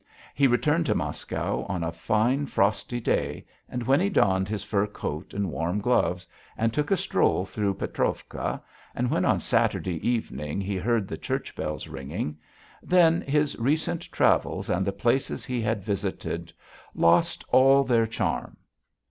He returned to Moscow on a fine frosty day, and when he donned his fur coat and warm gloves, and took a stroll through Petrovka, and when on Saturday evening he heard the church bells ringing, then his recent travels and the places he had visited lost all their charm.